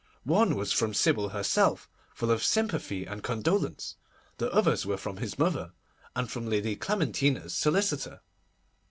One was from Sybil herself, full of sympathy and condolence. The others were from his mother, and from Lady Clementina's solicitor.